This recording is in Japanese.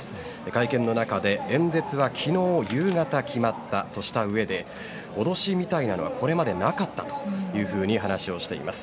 会見の中で、演説は昨日夕方に決まったとしたうえで脅しみたいなのはこれまでなかったというふうに話をしています。